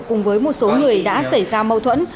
cùng với một số người đã xảy ra mâu thuẫn